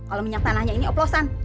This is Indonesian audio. kalau minyak tanahnya ini oplosan